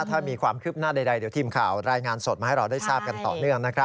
ถ้ามีความคืบหน้าใดเดี๋ยวทีมข่าวรายงานสดมาให้เราได้ทราบกันต่อเนื่อง